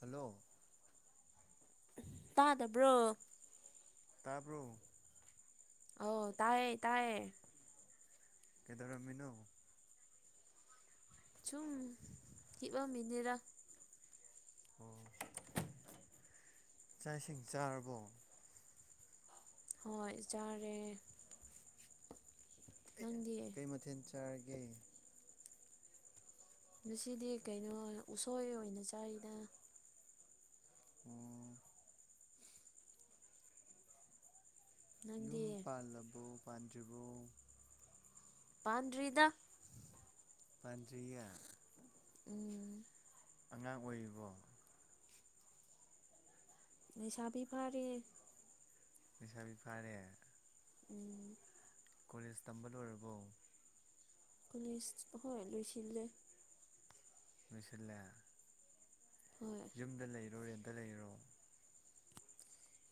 hello ꯇꯥꯗꯕ꯭ꯔꯣ ꯇꯥꯕ꯭ꯔꯣ ꯑꯧ ꯇꯥꯏꯌꯦ ꯇꯥꯏꯌꯦ ꯀꯩꯗꯧꯔꯥꯝꯃꯤꯅꯣ ꯆꯨꯝ ꯍꯤꯕꯔꯝꯃꯤꯅꯦꯗ ꯑꯣ ꯆꯥꯛ ꯏꯁꯤꯡ ꯆꯥꯔꯕꯣ ꯍꯣꯏ ꯆꯔꯦ ꯅꯪꯗꯤ ꯀꯩ ꯃꯊꯦꯜ ꯆꯥꯔꯒꯦ ꯉꯁꯤꯗꯤ ꯀꯩꯅꯣ ꯎꯁꯣꯏ ꯑꯣꯏꯅ ꯆꯔꯤꯗ ꯑꯣ ꯅꯪꯗꯤ ꯌꯨꯝ ꯄꯥꯜꯂꯕꯨꯣ ꯄꯥꯟꯗ꯭ꯔꯤꯕꯣ ꯄꯥꯥꯟꯟ꯭ꯔꯤꯗ ꯄꯥꯟꯗꯔꯤꯌꯥ ꯎꯝ ꯑꯉꯥꯡ ꯑꯣꯏꯔꯤꯕꯣ ꯂꯩꯅꯤꯁꯥꯕꯤ ꯐꯔꯤ ꯂꯩꯩꯁꯥꯕꯤ ꯐꯥꯔꯦ ꯎꯝ ꯀꯣꯂꯦꯖ ꯇꯝꯕ ꯂꯣꯏꯔꯕꯣ ꯀꯂꯦꯖ ꯄꯈꯔ ꯂꯣꯏꯁꯤꯖ ꯃꯤꯁꯂꯦ ꯍꯣꯏ ꯌꯨꯝꯗ ꯂꯩꯔꯣ ꯔꯦꯟꯇ ꯂꯩꯔꯣ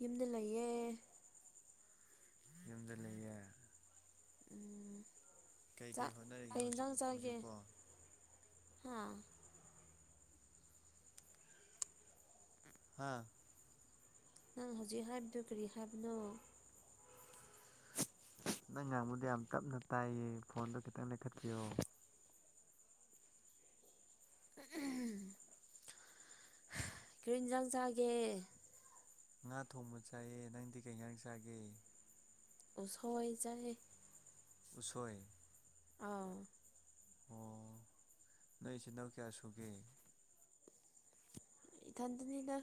ꯌꯨꯝꯗ ꯂꯩꯌꯦ ꯌꯨꯝꯗ ꯂꯩꯌꯦ ꯎꯝ ꯀꯩꯀꯩ ꯆꯥꯛ ꯍꯣꯠꯅꯔꯤꯒꯦ ꯀꯩ ꯆ ꯍꯧꯖꯤꯛ ꯆꯒꯦ ꯍꯧꯖꯤꯛꯄꯣ ꯍꯥꯥ ꯍꯥꯥ ꯅꯪ ꯍꯧꯖꯤꯛ ꯍꯥꯏꯕꯗꯨ ꯀꯔꯤ ꯍꯥꯏꯕꯅꯣ ꯅꯪ ꯉꯥꯡꯕꯗꯤ ꯌꯥꯝ ꯇꯞꯅ ꯇꯥꯏꯌꯦ ꯐꯣꯟꯗꯣ ꯈꯤꯇꯪ ꯂꯩꯦꯈꯠꯄꯤꯌꯣ ꯀꯔ ꯏꯟꯖꯥꯡ ꯆꯥꯒꯦ ꯉꯥ ꯊꯣꯡꯕ ꯆꯥꯏꯌꯦ ꯅꯪꯗꯤ ꯀꯩ ꯉꯥꯡ ꯆꯥꯒꯦ ꯎ ꯁꯋꯥꯣꯏ ꯆꯥꯏ ꯎꯆꯁꯣꯏ ꯑꯥꯎ ꯑꯣ ꯅꯣꯏꯆ ꯅꯪ ꯀꯌꯥ ꯁꯨꯒꯦ ꯏ ꯊꯟꯗꯅꯤꯗ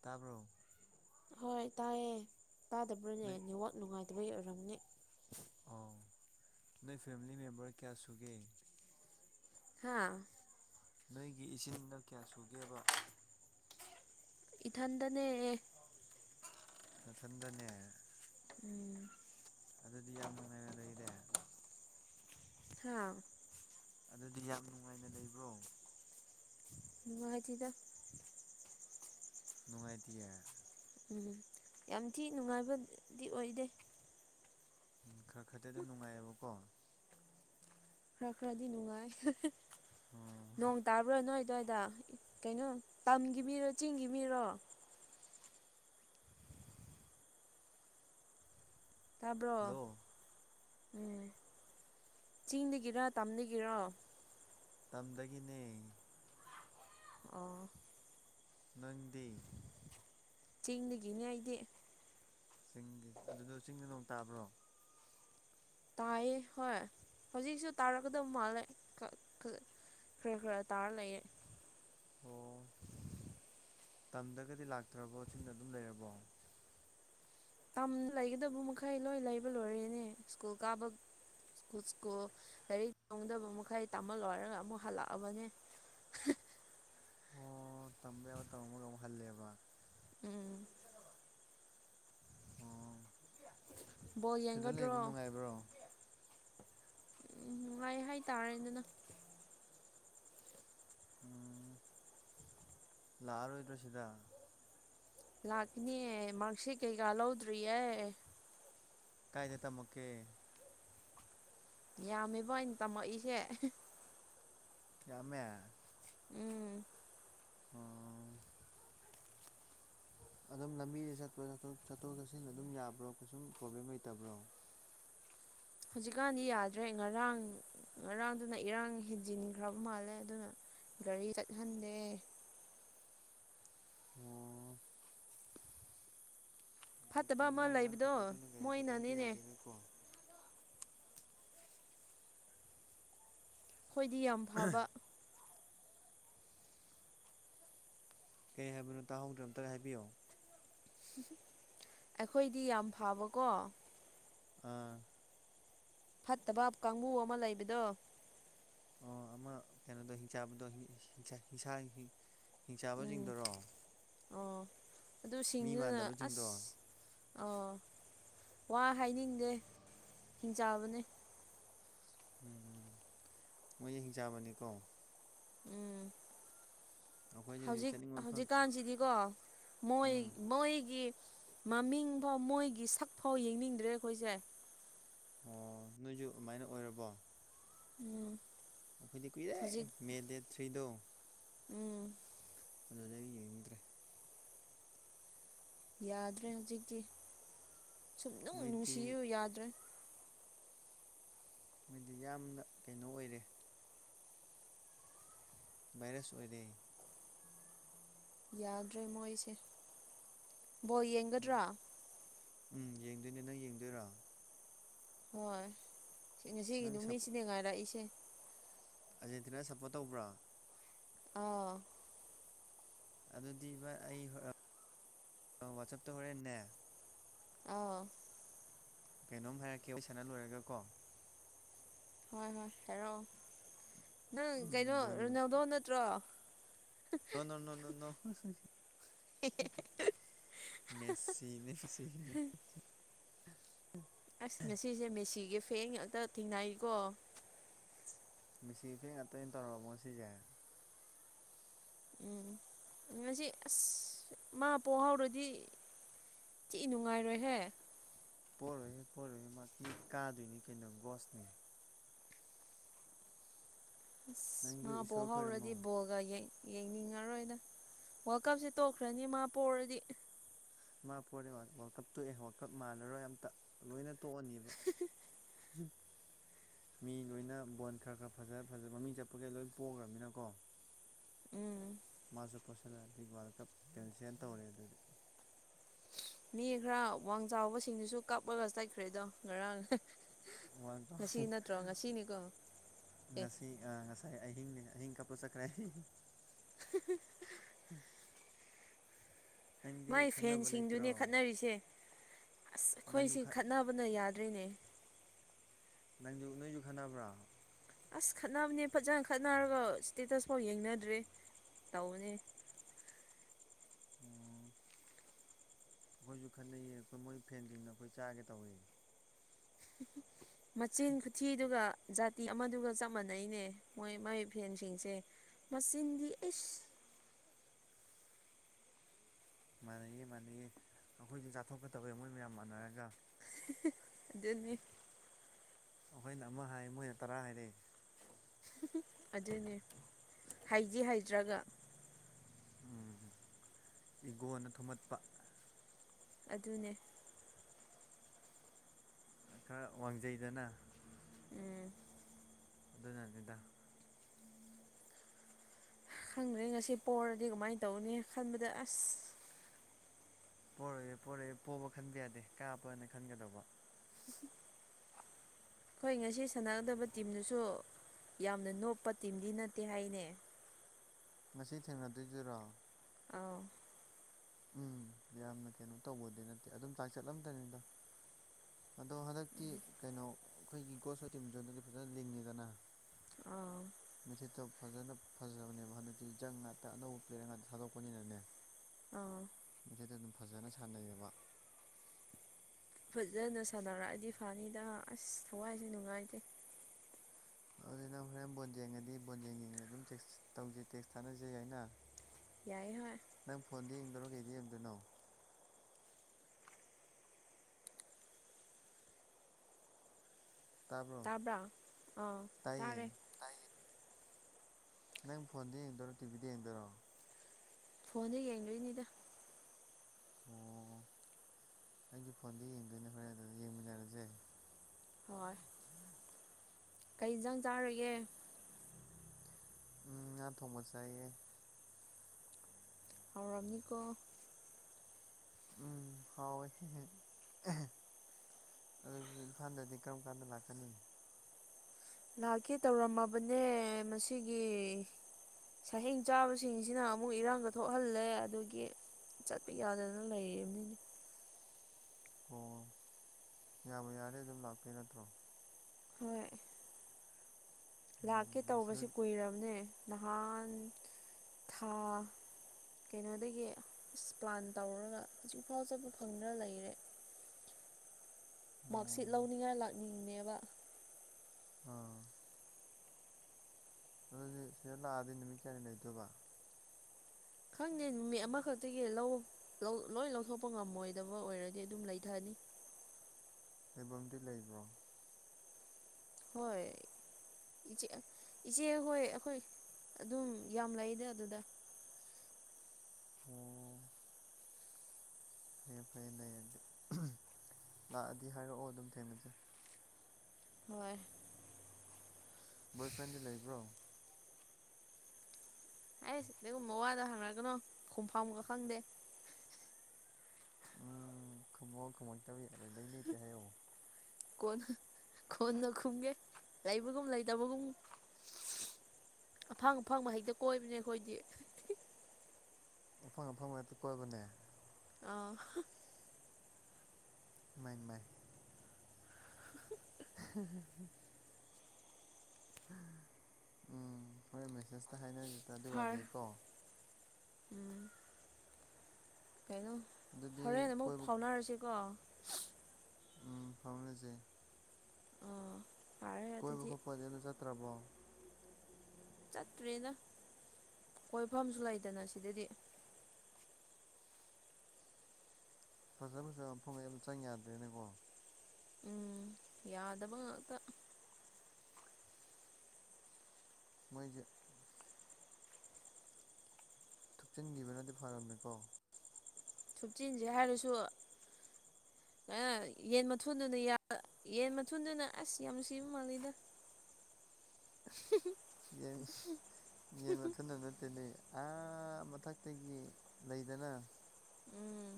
ꯇꯥꯕ꯭ꯔꯣ ꯍꯣꯏ ꯇꯥꯏꯌꯦ ꯇꯥꯗꯕ꯭ꯔꯅꯦ ꯅꯣꯏ ꯅꯦꯋꯥꯛ ꯅꯨꯡꯉꯥꯏꯇꯕꯒꯤ ꯑꯣꯏꯔꯝꯃꯅꯦ ꯑꯥꯎ ꯅꯣꯏ ꯐꯦꯃꯤꯂꯤ ꯃꯦꯝꯕꯔ ꯀꯌꯥ ꯁꯨꯒꯦ ꯍꯥꯥ ꯅꯣꯏꯒꯤ ꯏꯆꯤꯟꯜꯅꯥꯎ ꯀꯌꯥ ꯁꯨꯒꯦꯕ ꯏꯊꯟꯗꯅꯦ ꯃꯊꯟꯗꯅꯦ ꯎꯝ ꯑꯗꯨꯗꯤ ꯌꯥꯝ ꯅꯨꯡꯉꯥꯏꯅ ꯂꯩꯔꯦ ꯑꯥ ꯑꯗꯨꯗꯤ ꯌꯥꯝ ꯅꯨꯡꯉꯥꯏꯅ ꯂꯩꯕ꯭ꯔꯣ ꯃꯥꯅꯨꯡꯉꯥꯏꯇꯗ ꯅꯨꯡꯉꯥꯏꯇꯌꯥ ꯎꯝ ꯌꯥꯝ ꯊꯤ ꯅꯨꯡꯉꯥꯏꯕꯗꯤ ꯑꯣꯏꯗꯦ ꯎꯝ ꯈꯔ ꯈꯔꯗꯤ ꯑꯗꯨꯝ ꯅꯨꯡꯉꯥꯏꯌꯦꯕꯀꯣ ꯈꯔ ꯈꯔꯗꯤ ꯅꯨꯡꯉꯥꯏ ꯑꯣ ꯅꯣꯡ ꯇꯥꯕ꯭ꯔꯥ ꯅꯣꯏ ꯑꯗꯨꯋꯥꯏꯗ ꯀꯩꯅꯣ ꯇꯝꯒꯤ ꯃꯤꯔꯣ ꯆꯤꯡꯒꯤ ꯃꯤꯔꯣ ꯇꯥꯕ꯭ꯔꯣ ꯍꯜꯂꯣ ꯎꯝ ꯆꯤꯡꯗꯒꯤꯔ ꯇꯝꯗꯒꯤꯔꯣ ꯇꯝꯗꯒꯤꯅꯦ ꯑ ꯅꯪꯗꯤ ꯆꯤꯡꯗꯒꯤꯅꯦ ꯑꯩꯗꯤ ꯆꯤꯡꯒꯤ ꯑꯗꯨꯗ ꯆꯤꯡꯗ ꯅꯣꯡ ꯇꯥꯕ꯭ꯔꯣ ꯇꯥꯏꯌꯦ ꯍꯣꯏ ꯍꯧꯖꯤꯛꯁꯨ ꯇꯥꯔꯛꯀꯗꯕ ꯃꯥꯜꯂꯦ ꯍ ꯈ ꯇꯥꯔ ꯂꯩꯑꯦ ꯑꯣ ꯇꯝꯗꯒꯗꯤ ꯂꯥꯛꯇ꯭ꯔꯕꯣ ꯆꯤꯡꯗ ꯑꯗꯨꯝ ꯂꯩꯔꯕꯣ ꯇ ꯂꯩꯒꯗꯕ ꯃꯈꯩ ꯂꯣꯏ ꯂꯩꯕ ꯂꯣꯏꯔꯦꯅꯦ ꯁ꯭ꯀꯨꯜ ꯀꯥꯕ ꯁꯀꯨꯠ ꯁ꯭ꯀꯨꯜ ꯂꯥꯏꯔꯤꯛ ꯇꯣꯡꯗꯕ ꯃꯈꯩ ꯇꯥꯍꯜꯂꯣꯏꯔꯒ ꯑꯃꯨꯛ ꯍꯜꯂꯛꯑꯕꯅꯦ ꯍ ꯑꯣ ꯇꯝꯕ ꯌꯥꯕ ꯇꯝꯝꯃꯒ ꯑꯃꯨꯛ ꯍꯜꯂꯦꯕ ꯎꯝ ꯑꯣ ꯕꯣꯜ ꯁꯤꯗ ꯂꯩꯕ ꯌꯦꯡꯒꯗ꯭ꯔꯣ ꯅꯨꯡꯉꯥꯏꯕ꯭ꯔꯣ ꯎꯝ ꯅꯨꯡꯉꯥꯏ ꯍꯥꯏꯇꯥꯔꯦ ꯑꯗꯨꯅ ꯎꯝ ꯂꯥꯛꯑꯔꯣꯏꯗ꯭ꯔ ꯁꯤꯗ ꯂꯥꯛꯀꯅꯦ ꯃꯥꯔꯛꯁꯤ ꯀꯩꯀꯥ ꯂꯧꯗ꯭ꯔꯤꯌꯦ ꯀꯥꯏꯗꯩ ꯇꯃꯀꯦ ꯌꯥꯝꯃꯦꯕ ꯑꯩꯅ ꯇꯝꯃꯛꯏꯁꯦ ꯃꯦ ꯎꯝ ꯑꯥ ꯑꯗꯨꯝ ꯂꯝꯕꯤꯗ ꯆꯠꯄ ꯆꯠꯊꯣꯛ ꯆꯠꯁꯤꯟꯗ ꯑꯗꯨꯝ ꯌꯥꯕ꯭ꯔꯣ ꯀꯩꯁꯨꯝ ꯄ꯭ꯔꯣꯕ꯭ꯂꯦꯝ ꯂꯩꯇꯕ꯭ꯔꯣ ꯍꯧꯖꯤꯛꯀꯥꯟꯗꯤ ꯌꯥꯗ꯭ꯔꯦ ꯉꯔꯥꯡ ꯉꯔꯥꯡꯗꯨꯅ ꯏꯔꯥꯡ ꯍꯦꯟꯖꯤꯟꯈ꯭ꯔꯕ ꯃꯥꯜꯂꯦ ꯑꯗꯨꯅ ꯔꯤ ꯆꯠ ꯍꯟꯗꯦ ꯑꯣ ꯍꯧꯖꯤꯛꯇꯤ ꯐꯠꯇꯕ ꯑꯃ ꯂꯩꯕꯗꯣ ꯃꯣꯏꯅꯅꯤꯅꯦ ꯀꯣ ꯑꯩꯈꯣꯏꯗꯤ ꯌꯥꯝ ꯐꯕ ꯀꯩ ꯍꯥꯏꯕꯅꯣ ꯇꯥꯍꯧꯗ꯭ꯔ ꯑꯝꯇꯔ ꯍꯥꯏꯕꯤꯌꯣ ꯑꯩꯈꯣꯏꯗꯤ ꯌꯥꯝ ꯐꯕꯀꯣ ꯑꯥ ꯐꯠꯇꯕ ꯀꯥꯡꯕꯨ ꯑꯃ ꯂꯩꯕꯗꯣ ꯑꯣ ꯑꯃ ꯀꯩꯅꯣꯗꯣ ꯍꯤꯡꯆꯥꯥꯗꯣ ꯍꯤꯡꯁꯥ ꯎꯝ ꯍꯤꯡꯁꯥꯕꯁꯤꯡꯗꯨꯔꯣ ꯑꯣ ꯑꯗꯨ ꯃꯤ ꯁꯤꯡꯗꯨꯅ ꯃꯥꯟꯗꯕꯁꯤꯡꯗꯣ ꯑꯁ ꯑꯣ ꯋꯥ ꯍꯥꯏꯅꯤꯡꯗꯦ ꯍꯤꯡꯆꯥꯥꯕꯅꯦ ꯎꯝ ꯎꯝ ꯃꯣꯏꯁꯦ ꯍꯤꯡꯆꯥꯕꯅꯤꯀꯣ ꯎꯝ ꯑꯩꯈꯣꯏꯁꯨ ꯍꯧꯖꯤꯛ ꯆꯠꯅꯤꯡꯕ ꯃꯐꯝ ꯍꯧꯖꯤꯛꯀꯥꯟꯁꯤꯗꯤꯀꯣ ꯃꯣꯏ ꯎꯝ ꯃꯣꯏꯒꯤ ꯃꯃꯤꯡꯐꯥꯎ ꯃꯣꯏꯒꯤ ꯁꯛꯐꯥꯎ ꯌꯦꯡꯅꯤꯡꯗ꯭ꯔꯦ ꯑꯩꯈꯣꯏꯁꯦ ꯑꯣ ꯅꯣꯏꯁꯨ ꯑꯗꯨꯃꯥꯏꯅ ꯑꯣꯏꯔꯕꯣ ꯎꯝ ꯑꯩꯈꯣꯏꯗꯤ ꯀꯨꯏꯔꯦ ꯍꯧꯖꯤꯛ ꯃꯦ ꯗꯦꯠ ꯊ꯭ꯔꯤꯗꯣ ꯎꯝ ꯑꯗꯨꯗꯤ ꯑꯩ ꯌꯦꯡꯅꯤꯡꯗ꯭ꯔꯦ ꯌꯥꯗ꯭ꯔꯦ ꯍꯧꯖꯤꯛꯇꯤ ꯁꯨꯝ ꯅꯨꯡ ꯃꯣꯏꯗꯤ ꯅꯨꯡꯁꯤꯌꯨ ꯌꯥꯗ꯭ꯔꯦ ꯍꯥꯏꯗꯤ ꯌꯥꯝꯅ ꯀꯩꯅꯣ ꯑꯣꯏꯔꯦ ꯚꯥꯏꯔꯁ ꯑꯣꯏꯔꯦ ꯌꯥꯗ꯭ꯔꯦ ꯃꯣꯏꯁꯦ ꯕꯣ ꯌꯦꯡꯒꯗ꯭ꯔꯥ ꯎꯝ ꯌꯦꯡꯗꯣꯏꯅꯦ ꯅꯪ ꯌꯦꯡꯗꯣꯏꯔꯣ ꯍꯣꯏ ꯉꯁꯤꯒꯤ ꯅꯪ ꯅꯨꯃꯤꯠꯁꯤꯅꯦ ꯉꯥꯏꯔꯛꯏꯁꯦ ꯑꯥꯔꯖꯦꯟꯇꯤꯅ ꯁꯞꯄꯣꯔꯠ ꯇꯧꯕ꯭ꯔꯥ ꯑꯥ ꯑꯗꯨꯗꯤ ꯚ ꯑꯩ ꯋꯥꯆꯞꯇ ꯍꯣꯔꯦꯟꯟꯅ ꯑ ꯀꯩꯅꯣꯝ ꯍꯥꯏꯔꯛꯀꯦ ꯑꯩ ꯁꯥꯟꯅ ꯂꯣꯏꯔꯒ ꯀꯣ ꯍꯣꯏ ꯍꯣꯏ ꯍꯥꯏꯔꯛꯑꯣ ꯅꯪ ꯀꯩꯅꯣ ꯎꯝ ꯕꯣꯟꯒꯤ ꯔꯣꯅꯦꯜꯗꯣ ꯅꯠꯇ꯭ꯔꯣ ꯅ ꯅꯣꯟ ꯅ ꯅꯅ ꯃꯦꯁꯤꯅꯦꯁꯤ ꯑꯁ ꯉꯁꯤꯁꯦ ꯃꯦꯁꯤꯒꯤ ꯐꯦꯡ ꯉꯥꯛꯇ ꯊꯦꯡꯅꯩꯀꯣ ꯃꯤꯁꯤ ꯐꯦꯡ ꯉꯥꯛꯇ ꯑꯣꯏꯅ ꯇꯧꯔꯔꯕꯃꯣ ꯁꯤꯁꯦ ꯎꯝ ꯉꯁꯤ ꯑꯁ ꯃꯥ ꯄꯣꯛ ꯍꯧꯥꯎꯔꯗꯤ ꯆꯤꯏ ꯅꯨꯡꯉꯥꯏꯔꯣꯏꯍꯦ ꯄꯔꯨꯋꯦ ꯄꯔꯨꯋꯦ ꯃꯥ ꯀ ꯀꯥꯗꯨꯅꯤ ꯀꯩꯅꯣ ꯒꯁꯅꯤ ꯅꯪꯁꯨ ꯃꯥꯕꯣ ꯏꯁꯣꯔ ꯈꯣꯏꯔꯝꯃꯣ ꯍꯧꯧꯔꯗꯤꯕꯣꯜ ꯑꯗꯨꯒ ꯌꯦꯡꯅꯤꯡꯉꯔꯣꯏꯅ ꯋꯥꯔꯀꯞꯁꯦ ꯇꯣꯛꯈ꯭ꯔꯅꯤ ꯃꯥ ꯄꯣꯔꯔꯗꯤ ꯏ ꯃꯥ ꯄꯣꯔꯦ ꯋꯥꯔꯜ ꯀꯞ ꯇꯣꯛꯑꯦ ꯋꯥꯔꯜ ꯀꯞ ꯃꯥꯟꯅꯔꯣꯏ ꯑꯝꯇ ꯂꯣꯏꯅ ꯇꯣꯛꯑꯅꯦꯕ ꯃꯤ ꯂꯣꯏꯅ ꯕꯣꯟ ꯈꯔ ꯈꯔ ꯐꯖ ꯐꯖ ꯃꯃꯤꯡ ꯆꯠꯄꯒꯩ ꯂꯣꯏ ꯄꯣꯛꯈ꯭ꯔꯃꯤꯅꯀꯣ ꯎꯝ ꯃꯥꯁꯨ ꯄꯣꯁꯤꯜꯂꯛꯑꯗꯤ ꯋꯥꯔꯜ ꯀꯞ ꯀꯦꯟꯁꯦꯜ ꯇꯧꯔꯦ ꯑꯗꯨꯗꯤ ꯃꯤ ꯈꯔ ꯋꯥꯡ ꯆꯥꯎꯕꯁꯤꯡꯗꯨꯁꯨ ꯀꯥꯞꯂꯒ ꯆꯠꯈ꯭ꯔꯦꯗꯣ ꯉꯔꯥꯡ ꯋꯥꯅꯤꯀꯝ ꯉꯁꯤ ꯅꯠꯇ꯭ꯔꯣ ꯉꯁꯤꯅꯤꯀꯣ ꯑꯦ ꯉꯁꯤ ꯉꯁꯥꯏ ꯑꯍꯤꯡ ꯑꯍꯤꯡ ꯀꯥꯄ ꯆꯠꯈ꯭ꯔꯦ [unintelligible] ꯃꯥꯏ ꯅꯪꯗꯤ ꯈꯪꯅꯕ ꯐꯦꯟꯁꯤꯡꯗꯨꯅꯦ ꯂꯩꯇ꯭ꯔꯣ ꯈꯠꯅꯔꯤꯁꯦ ꯑꯁ ꯅꯪꯁꯨ ꯑꯩꯈꯣꯏꯁꯤ ꯈꯠꯅꯕꯅ ꯌꯥꯗ꯭ꯔꯤꯅꯦ ꯅꯪꯁꯨ ꯅꯣꯏꯁꯨ ꯈꯟꯅꯕ꯭ꯔꯣ ꯑꯁ ꯈꯠꯅꯕꯅꯦ ꯐꯖꯅ ꯈꯠꯅꯔꯒ ꯏꯁꯇꯦꯇꯁ ꯐꯥꯎ ꯌꯦꯡꯅꯗ꯭ꯔꯔꯤ ꯇꯧꯕꯅꯦ ꯑꯣ ꯑꯩꯈꯣꯏꯁꯨ ꯈꯠꯟꯅꯩꯌꯦ ꯑꯩꯈꯣꯏ ꯃꯣꯏ ꯐꯦꯟꯁꯤꯡꯅ ꯑꯩꯈꯣꯏ ꯆꯥꯒꯦ ꯇꯧꯋ ꯃꯆꯤꯟ ꯈꯨꯊꯤꯗꯨꯒ ꯖꯥꯇꯤ ꯑꯃꯗꯨꯒ ꯆꯞ ꯃꯥꯟꯅꯩꯅꯦ ꯃꯣꯏ ꯃꯣꯏ ꯐꯦꯟꯁꯤꯡꯁꯦ ꯃꯆꯤꯟꯗꯤ ꯏꯁ ꯃꯥꯟꯅꯩꯌꯦ ꯃꯥꯟꯅꯩꯌꯦ ꯑꯩꯈꯣꯏꯁꯨꯦ ꯆꯥꯊꯣꯛꯀ ꯇꯧꯋꯦ ꯃꯣꯏ ꯃꯌꯥꯝ ꯃꯥꯟꯅꯔꯒ ꯑꯗꯨꯅꯤ ꯑꯩꯈꯣꯏꯅ ꯑꯃ ꯍꯥꯏ ꯃꯣꯏꯅ ꯇꯔꯥ ꯍꯥꯏꯔꯛꯑꯦ ꯑꯗꯨꯅꯦ ꯍꯩꯗꯤ ꯍꯩꯗ꯭ꯔꯒ ꯎ ꯏꯒꯣꯅ ꯊꯨꯝꯍꯠꯄ ꯑꯗꯨꯅꯦ ꯈꯔ ꯋꯥꯡꯖꯩꯗꯅ ꯎꯝ ꯑꯗꯨꯅꯅꯤꯗ ꯈꯪꯗ꯭ꯔꯦ ꯉꯁꯤ ꯄꯔꯗꯤ ꯀꯃꯥꯏꯅ ꯇꯧꯅꯤ ꯈꯟꯕꯗ ꯑꯁ ꯄꯣꯔꯛꯑꯦ ꯄꯣꯔꯛꯑꯦ ꯄꯣꯕ ꯈꯟꯕ ꯌꯥꯗꯦ ꯀꯥꯞꯄꯅ ꯈꯟꯒꯗꯧꯕ ꯎ ꯑꯩꯈꯣꯏ ꯉꯁꯤ ꯁꯥꯟꯅꯒꯗꯕ ꯇꯤꯝꯗꯨꯁꯨ ꯌꯥꯝꯅ ꯅꯣꯞꯄ ꯇꯤꯝꯗꯤ ꯅꯠꯇꯦ ꯍꯥꯏꯅꯦ ꯉꯁꯤ ꯊꯦꯡꯅꯗꯣꯏꯗꯨꯔꯣ ꯑꯥꯎ ꯎꯝ ꯌꯥꯝꯅ ꯀꯩꯅꯣ ꯇꯧꯕꯗꯤ ꯅꯠꯇꯦ ꯑꯗꯨꯝ ꯆꯥꯛ ꯆꯠꯂꯝꯗꯅꯤꯗ ꯑꯗꯣ ꯍꯟꯗꯛꯇꯤ ꯀꯩꯅꯣ ꯑꯩꯈꯣꯏꯒꯤ ꯒꯣꯁ ꯍꯣꯏ ꯇꯤꯝ ꯖꯣꯟꯗꯗꯤ ꯐꯖꯅ ꯂꯤꯡꯉꯤꯗꯅ ꯑ ꯃꯩꯊꯤꯠꯇꯣ ꯐꯖꯅ ꯐꯖꯕꯅꯦꯕ ꯍꯟꯗꯛꯇꯤ ꯖꯪ ꯉꯥꯛꯇ ꯑꯅꯧꯕ ꯄꯦꯔ ꯉꯥꯛꯇ ꯊꯥꯗꯣꯛꯄꯅꯤꯅꯅꯦ ꯑꯥ ꯃꯩꯇꯩꯗ ꯑꯗꯨꯝ ꯐꯖꯅ ꯁꯥꯟꯅꯩꯌꯦꯕ ꯐꯖꯅ ꯁꯥꯟꯅꯔꯛꯑꯗꯤ ꯐꯅꯤꯗ ꯑꯁ ꯊꯋꯥꯏꯁꯦ ꯅꯨꯡꯉꯥꯏꯇꯦ ꯑꯗꯨ ꯅꯪ ꯍꯣꯔꯦꯟ ꯕꯣꯟ ꯌꯦꯡꯉꯗꯤ ꯕꯣꯟꯖꯦꯡ ꯌꯦꯡ ꯑꯗꯨꯝ ꯇꯦꯛꯁ ꯇꯧꯖꯩ ꯇꯦꯛꯁ ꯊꯥꯅꯖꯩ ꯍꯥꯏꯅ ꯌꯥꯏ ꯍꯣꯏ ꯅꯪ ꯐꯣꯟꯗ ꯌꯦꯡꯗꯧꯔꯣ ꯀꯩꯗꯤ ꯌꯦꯡꯗꯣꯏꯅꯣ ꯇꯥꯕ꯭ꯔꯣ ꯇꯥꯕ꯭ꯔꯥ ꯑꯥ ꯇꯥꯔꯦ ꯇꯥꯏꯌꯦ ꯅꯪ ꯐꯣꯟꯗ ꯌꯦꯡꯗꯣꯏꯔꯣ ꯇꯤꯚꯤꯗ ꯌꯦꯡꯗꯣꯏꯔꯣ ꯐꯣꯟꯗ ꯌꯦꯡꯗꯣꯏꯅꯤꯗ ꯑꯣ ꯑꯩꯒꯤ ꯐꯣꯟꯗ ꯌꯦꯡꯗꯣꯏꯅ ꯍꯣꯔꯦꯟ ꯑꯗꯨꯗ ꯌꯦꯡꯃꯤꯟꯅꯔꯁꯦ ꯍꯣꯏ ꯀꯩ ꯌꯦꯟꯖꯥꯡ ꯆꯥꯔꯒꯦ ꯎ ꯑꯅꯥꯊꯣꯕꯖꯩ ꯔꯃꯤꯅꯤ ꯀꯣ ꯎꯝ ꯍꯥꯎꯣꯏ ꯑꯗꯨꯗꯤ ꯏꯝꯐꯥꯜꯗꯗꯤ ꯀꯔꯝ ꯀꯥꯟꯗ ꯂꯥꯛꯀꯅꯤ ꯂꯥꯛꯀꯦ ꯇꯧꯔꯝꯃꯕꯅꯦ ꯃꯁꯤꯒꯤ ꯁꯍꯦꯡ ꯆꯥꯕꯁꯤꯡꯁꯤꯅ ꯑꯃꯨꯛ ꯏꯔꯥꯡꯗ ꯊꯣꯛꯍꯜꯂꯦ ꯑꯗꯨꯒꯤ ꯆꯠꯄꯤ ꯌꯥꯗ ꯑꯗꯨꯅ ꯂꯩꯌꯦꯃꯤꯅꯦ ꯑꯣ ꯌꯥꯝꯕ ꯌꯥꯔꯦ ꯑꯗꯨꯝ ꯂꯥꯛꯇꯣꯏ ꯅꯠꯇ꯭ꯔꯣ ꯍꯣꯏ ꯂꯥꯛꯀꯦ ꯎꯝ ꯁꯤꯗ ꯇꯧꯕꯁꯦ ꯀꯨꯏꯔꯕꯅꯦ ꯅꯍꯥꯟ ꯊꯥ ꯀꯩꯅꯣꯗꯒꯤ ꯑꯁ ꯄ꯭ꯂꯥꯟ ꯇꯧꯔꯒ ꯍꯧꯖꯤꯛ ꯐꯥꯎ ꯆꯠꯄ ꯐꯪꯗꯅ ꯂꯩꯔꯦ ꯃꯥꯔꯛꯁꯤꯠ ꯑꯣ ꯂꯧꯅꯤꯡꯉꯥꯏ ꯂꯥꯛꯅꯤꯡꯅꯦꯕ ꯑꯝ ꯑꯗꯨꯗꯤ ꯁꯤꯗ ꯂꯥꯛꯑꯗꯤ ꯅꯨꯃꯤꯠ ꯀꯌꯥꯅꯤ ꯂꯩꯗꯣꯏꯕ ꯈꯪꯗꯦ ꯅꯨꯃꯤꯠ ꯑꯃꯈꯛꯇꯒꯤ ꯂꯧ ꯂꯣꯏ ꯂꯧꯊꯣꯛꯄ ꯉꯝꯃꯣꯏꯗꯕ ꯑꯣꯏꯔꯗꯤ ꯑꯗꯨꯝ ꯂꯩꯊꯅꯤ ꯂꯩꯐꯝꯗꯤ ꯂꯩꯕ꯭ꯔꯣ ꯍꯣꯏ ꯏꯆꯦ ꯏꯆꯦ ꯍꯣꯏ ꯑꯩꯈꯣꯏ ꯑꯗꯨꯝ ꯌꯥꯝ ꯂꯩꯗ ꯑꯗꯨꯗ ꯑꯣ ꯐꯌꯦꯦ ꯐꯔꯦ ꯂꯩꯔꯗꯤ ꯂꯥꯛꯑꯗꯤ ꯍꯥꯏꯔꯛꯑꯣ ꯑꯗꯨꯝ ꯊꯦꯡꯅꯖꯩ ꯍꯣꯏ ꯕꯣꯏ ꯐ꯭ꯔꯦꯟꯗꯤ ꯂꯩꯕ꯭ꯔꯣ ꯑꯩꯁ ꯀꯩꯒꯨꯝꯕ ꯋꯥꯗ ꯍꯪꯅꯛꯒꯅꯣ ꯈꯣꯡ ꯐꯥꯝꯃꯒ ꯈꯪꯗꯦ ꯎꯝ ꯈꯨꯝꯃꯣꯛ ꯈꯨꯝꯃꯣꯛꯇꯕ ꯌꯥꯔꯣꯏ ꯂꯩꯩ ꯂꯩꯇꯦ ꯍꯥꯏꯌꯛꯑꯣ ꯀꯣꯟꯅ ꯀꯣꯟꯅ ꯈꯨꯝꯒꯦ ꯂꯩꯕꯒꯨꯝ ꯂꯩꯇꯕꯒꯨꯝ ꯑꯐꯪ ꯑꯐꯪꯕ ꯍꯦꯛꯇ ꯀꯣꯏꯕꯅꯦ ꯑꯩꯈꯣꯏꯗꯤ ꯑꯐꯪ ꯑꯐꯪ ꯉꯥꯛꯇ ꯀꯣꯏꯕꯅꯦ ꯑꯥ ꯃꯥꯏ ꯃꯥꯏ ꯎ ꯎꯝ ꯍꯣꯔꯦꯟ ꯃꯦꯁꯦꯖꯇ ꯍꯥꯏꯅꯔꯤꯁꯤꯗ ꯐꯔ ꯑꯗꯨꯋꯥꯗꯩꯀꯣ ꯎꯝ ꯀꯩꯅꯣ ꯑꯗꯨꯗꯤ ꯍꯣꯔꯦꯟ ꯑꯃꯨꯛ ꯀꯣꯏꯕ ꯐꯥꯎꯅꯔꯁꯤꯀꯣ ꯎ ꯐꯥꯎꯅꯖꯩ ꯑꯥ ꯐꯔꯦ ꯀꯣꯏꯕ ꯑꯗꯨꯗꯤ ꯈꯣꯠꯄꯅꯦ ꯑ ꯑꯗꯨ ꯆꯠꯇ꯭ꯔꯕꯣ ꯆꯠꯇ꯭ꯔꯦꯅ ꯈꯣꯏꯐꯝꯁꯨ ꯂꯩꯗꯅ ꯁꯤꯗꯗꯤ ꯐꯖ ꯐꯖ ꯃꯐꯝ ꯃ ꯆꯪ ꯌꯥꯗ꯭ꯔꯦꯅꯀꯣ ꯎꯝ ꯌꯥꯗꯕ ꯉꯥꯛꯇ ꯃꯣꯏꯖꯦ ꯊꯨꯞꯆꯤꯟꯈꯤꯕꯅꯗꯤ ꯐꯔꯝꯃꯦꯀꯣ ꯐꯤꯞꯇꯤꯟꯁꯦ ꯍꯥꯏꯔꯁꯨ ꯌꯦꯟ ꯃꯊꯨꯣꯟꯗꯨꯅ ꯌꯦꯟ ꯃꯊꯨꯗꯨꯅ ꯑꯁ ꯌꯥꯝ ꯅꯨꯡꯁꯤꯕ ꯃꯥꯜꯂꯤꯗ [inaudible] ꯌꯦ ꯌꯦꯟ ꯃꯊꯕ ꯅꯠꯇꯦꯅꯦ ꯃꯊꯛꯇꯒꯤ ꯂꯩꯗꯅ ꯎꯝ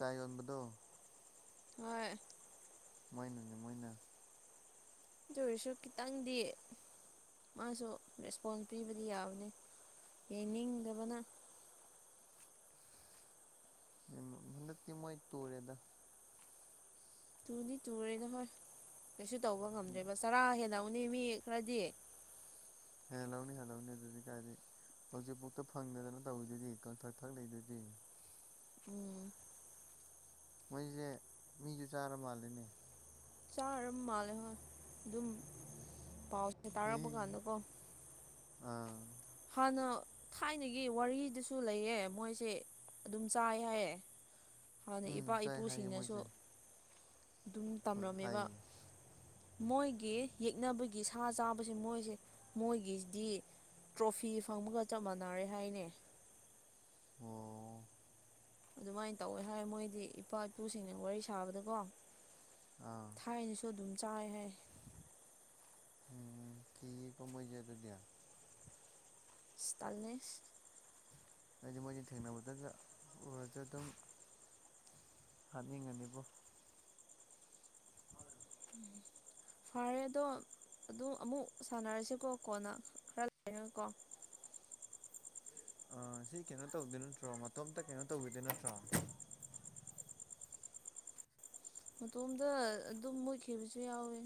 ꯀꯥꯏ ꯌꯣꯟꯕꯗꯣ ꯍꯣꯏ ꯃꯣꯏꯅꯅꯦ ꯃꯣꯏꯅ ꯑꯗꯨꯣꯏꯔꯁꯨ ꯈꯤꯇꯪꯗꯤ ꯃꯥꯁꯨ ꯔꯦꯁꯄꯣꯟꯁ ꯄꯤꯕꯗꯤ ꯌꯥꯕꯅꯤ ꯌꯦꯡꯅꯤꯡꯗꯕꯅ ꯍꯟꯗꯛꯇꯤ ꯃꯣꯏ ꯇꯨꯔꯦꯗ ꯇꯨꯗꯤ ꯇꯨꯔꯦꯅ ꯍꯣꯏ ꯀꯩꯁꯨ ꯇꯧꯕ ꯉꯝꯗ꯭ꯔꯦꯕ ꯆꯔꯥ ꯍꯦꯜꯂꯧꯅꯤ ꯃꯤ ꯈꯔꯗꯤ ꯍꯦ ꯂꯧꯅꯤ ꯍꯥꯏ ꯂꯧꯅꯤ ꯑꯗꯨꯗꯤ ꯀꯥꯏꯗꯤ ꯍꯧꯖꯤꯛꯐꯥꯎꯗ ꯐꯪꯗꯗꯅ ꯇꯧꯋꯤꯗꯨꯗꯤ ꯀꯪꯊꯛ ꯊꯛ ꯂꯩꯗꯨꯗꯤ ꯎꯝ ꯃꯣꯏꯁꯦ ꯃꯤꯁꯨ ꯆꯥꯔ ꯃꯥꯜꯂꯤꯅꯦ ꯆꯥꯔꯝ ꯃꯥꯜꯂꯦ ꯍꯣꯏ ꯑꯗꯨꯝ ꯄꯥꯎ ꯎꯝ ꯑꯥ ꯍꯥꯟꯅ ꯊꯥꯏꯅꯒꯤ ꯋꯥꯔꯤꯗꯨꯁꯨ ꯂꯩꯌꯦ ꯃꯣꯏꯁꯦ ꯑꯗꯨꯝ ꯆꯥꯏ ꯍꯥꯏꯌꯦ ꯍꯥꯟꯅ ꯏꯄꯥ ꯎꯝ ꯆꯥꯏ ꯍꯥꯏꯌꯦ ꯏꯄꯨꯁꯤꯡꯅꯁꯨ ꯃꯣꯏꯁꯦ ꯑꯗꯨꯝ ꯍꯣꯏ ꯇꯝꯔꯝꯃꯦꯕ ꯍꯥꯏꯌꯦ ꯃꯣꯏꯒꯤ ꯌꯦꯛꯅꯕꯒꯤ ꯁꯥ ꯆꯥꯕꯁꯦ ꯃꯣꯏꯁꯦ ꯃꯣꯏꯒꯤꯗꯤ ꯇ꯭ꯔꯣꯐꯤ ꯐꯪꯕꯒ ꯆꯞ ꯃꯥꯟꯅꯔꯦ ꯍꯥꯏꯅꯦ ꯑꯣ ꯑꯗꯨꯃꯥꯏꯅ ꯇꯧꯋꯦ ꯍꯥꯏꯔꯦ ꯃꯣꯏꯗꯤ ꯏꯄꯥ ꯏꯄꯨꯁꯤꯡꯅ ꯋꯥꯔꯤ ꯁꯥꯕꯗꯀꯣ ꯑꯥ ꯍꯥꯏꯅꯁꯨ ꯑꯗꯨꯝ ꯆꯥꯏ ꯍꯥꯏ ꯎꯝ ꯀꯤ ꯀꯃꯣꯏꯁꯦ ꯑꯗꯨꯗꯤ ꯇꯔꯅꯤ ꯍꯥꯏꯗꯤ ꯃꯣꯏꯅ ꯊꯦꯡꯅꯕꯗ ꯎꯔꯁꯨ ꯑꯗꯨꯝ ꯊꯅꯤꯡꯉꯅꯤꯕꯣ ꯎ ꯐꯔꯦ ꯑꯗꯣ ꯑꯗꯨ ꯑꯃꯨꯛ ꯁꯥꯟꯅꯔꯁꯤꯀꯣ ꯀꯣꯟꯅ ꯈꯔ ꯂꯩꯔꯒꯀꯣ ꯁꯤ ꯀꯩꯅꯣ ꯇꯧꯗꯣꯏ ꯅꯠꯇ꯭ꯔꯣ ꯃꯇꯣꯝꯇ ꯀꯩꯅꯣ ꯇꯧꯕꯤꯗꯣꯏ ꯅꯠꯇ꯭ꯔꯣ ꯃꯇꯣꯝꯗ ꯑꯗꯨꯝ ꯃꯨꯈꯤꯕꯁꯨ ꯌꯥꯎꯋꯤ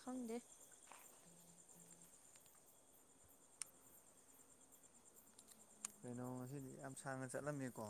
ꯈꯪꯗꯦ ꯀꯩꯅꯣ ꯉꯁꯤꯗꯤ ꯌꯥꯝ ꯁꯥꯡꯅ ꯆꯠꯂꯝꯃꯤꯀꯣ